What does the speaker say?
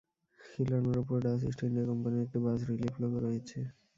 খিলানের উপরে Dutch East India কোম্পানির একটি বাস-রিলিফ লোগো রয়েছে।